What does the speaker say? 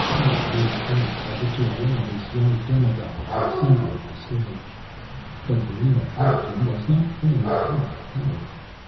Parr moved back, as if to allow this young demigod the center of the stage. But Varina Pemberton was not playing the part of heroine.